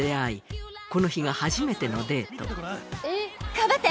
頑張って！